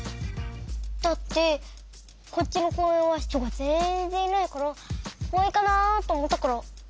だってこっちのこうえんは人がぜんぜんいないからこわいかなあとおもったから。